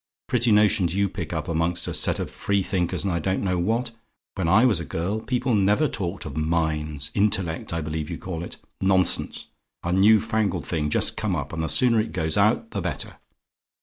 Pretty notions you pick up among a set of free thinkers, and I don't know what! When I was a girl, people never talked of minds intellect, I believe you call it. Nonsense! a new fangled thing, just come up; and the sooner it goes out, the better.